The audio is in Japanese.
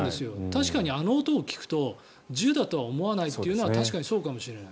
確かにあの音を聞くと銃だとは思わないっていうのは確かにそうかもしれない。